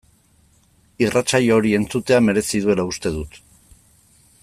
Irratsaio hori entzutea merezi duela uste dut.